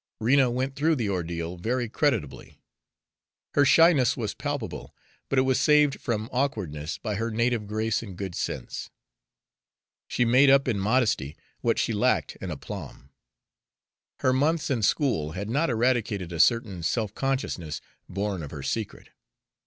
Rena went through the ordeal very creditably. Her shyness was palpable, but it was saved from awkwardness by her native grace and good sense. She made up in modesty what she lacked in aplomb. Her months in school had not eradicated a certain self consciousness born of her secret.